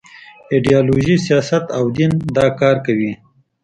ایډیالوژي، سیاست او دین دا کار کوي.